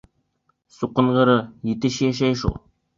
Суҡынғыры, етеш йәшәй шул.